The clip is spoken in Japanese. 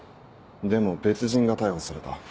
でも別人が逮捕された。